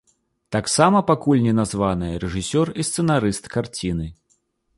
Таксама пакуль не названыя рэжысёр і сцэнарыст карціны.